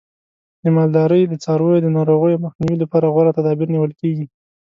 د مالدارۍ د څارویو د ناروغیو مخنیوي لپاره غوره تدابیر نیول کېږي.